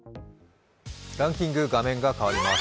ランキング、画面が変わります。